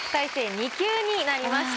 ２級になりました。